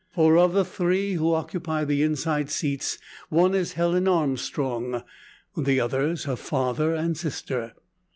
For of the three who occupy the inside seats one is Helen Armstrong; the others her father, and sister.